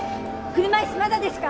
車椅子まだですか？